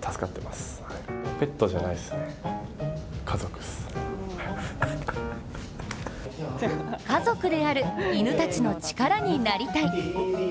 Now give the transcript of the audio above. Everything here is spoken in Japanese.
家族である犬たちの力になりたい。